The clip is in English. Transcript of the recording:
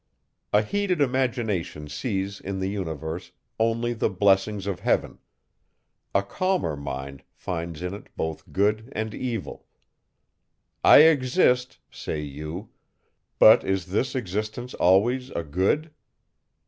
A heated imagination sees in the universe only the blessings of heaven; a calmer mind finds in it both good and evil. "I exist," say you; but is this existence always a good?